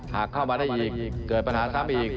หากเข้ามาได้อีกเกิดปัญหาซ้ำอีก